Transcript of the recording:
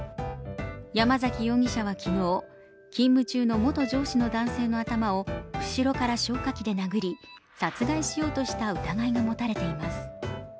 山崎容疑者は昨日勤務中の元上司の男性の頭を後ろから消火器で殴り、殺害しようとした疑いが持たれています。